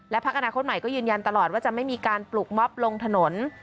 พักอนาคตใหม่ก็ยืนยันตลอดว่าจะไม่มีการปลุกม็อบลงถนน